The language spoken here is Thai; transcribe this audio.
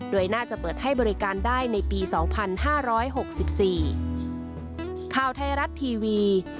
โดยน่าจะเปิดให้บริการได้ในปี๒๕๖๔